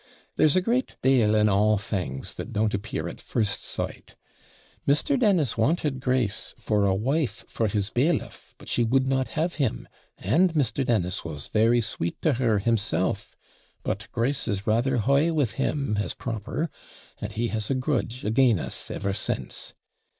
There's a great deal in all things, that don't appear at first sight. Mr. Dennis wanted Grace for a wife for his bailiff; but she would not have him; and Mr. Dennis was very sweet to her himself but Grace is rather high with him as proper, and he has a grudge AGAIN' us ever since.